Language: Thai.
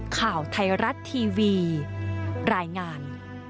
ข่าวไทยรัฐทีวีรายงาน